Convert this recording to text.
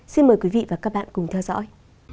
xin mời quý vị và các bạn cùng theo dõi